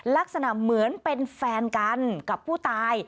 ลักษณะเหมือนเป็นแฟนกันกับผู้ตาย